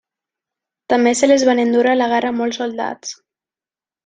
També se les van endur a la guerra molts soldats.